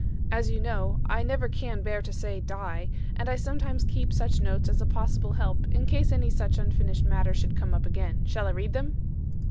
As you know, I never can bear to say 'die,' and I sometimes keep such notes as a possible help in case any such unfinished matter should come up again. Shall I read them?"